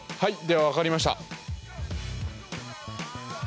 では分かりました。